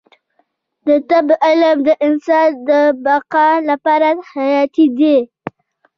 د طب علم د انسان د بقا لپاره حیاتي دی